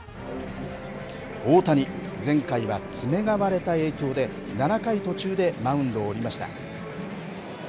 大谷、前回は爪が割れた影響で７回途中でマウンドを降りました。